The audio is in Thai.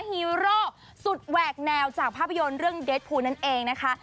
ฮีโร่สุดแหวกแนวจากภาพยนตร์เรื่องเดทภูนั่นเองนะคะ